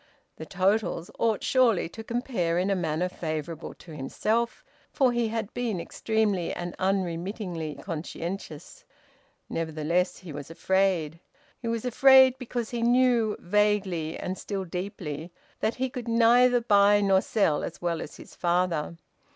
The totals ought surely to compare in a manner favourable to himself, for he had been extremely and unremittingly conscientious. Nevertheless he was afraid. He was afraid because he knew, vaguely and still deeply, that he could neither buy nor sell as well as his father.